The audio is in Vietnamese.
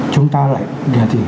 chúng ta lại đề thi